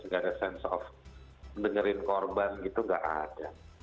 enggak ada sense of dengerin korban gitu enggak ada